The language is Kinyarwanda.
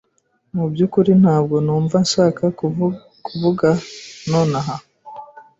Mu byukuri ntabwo numva nshaka kuvuga nonaha.